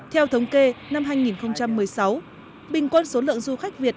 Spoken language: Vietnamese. theo thống kê năm hai nghìn một mươi sáu bình quân số lượng du khách việt